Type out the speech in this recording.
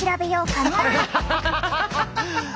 ハハハハハ！